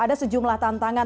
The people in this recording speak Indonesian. ada sejumlah tantangan